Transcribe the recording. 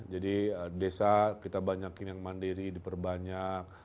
jadi desa kita banyakin yang mandiri diperbanyak